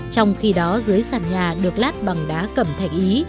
trong khi đó dưới sàn nhà được lát bằng đá cẩm thạch ý